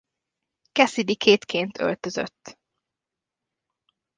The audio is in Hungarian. Cassidy Kate-ként öltözött.